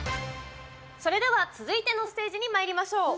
それでは続いてのステージにまいりましょう。